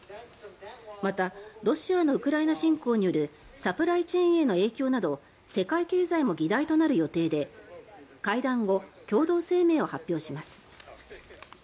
また、ロシアのウクライナ侵攻によるサプライチェーンへの影響など世界経済も議題となる予定で会談後、共同声明を発表します。